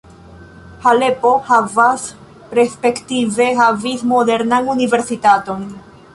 Halepo havas respektive havis modernan universitaton.